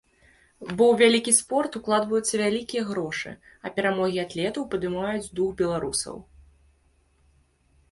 Бо ў вялікі спорт укладваюцца вялікія грошы, а перамогі атлетаў падымаюць дух беларусаў.